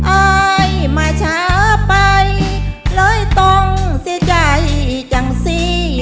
อายมาช้าไปเลยต้องเสียใจจังสิ